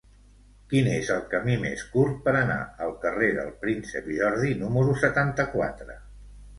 Quin és el camí més curt per anar al carrer del Príncep Jordi número setanta-quatre?